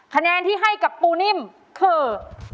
คะแนนที่ให้กับปูนิ่มคือ